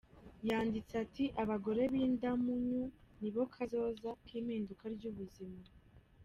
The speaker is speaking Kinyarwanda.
Yanditse ati : "Abagore b'indyamunyu nibo kazoza k'impinduka ry'ubuzima.